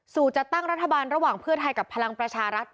จัดตั้งรัฐบาลระหว่างเพื่อไทยกับพลังประชารัฐ